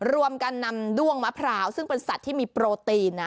รวมกันนำด้วงมะพร้าวซึ่งเป็นสัตว์ที่มีโปรตีน